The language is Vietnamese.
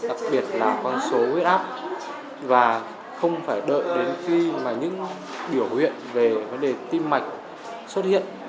đặc biệt là con số huyết áp và không phải đợi đến khi mà những biểu huyện về vấn đề tim mạch xuất hiện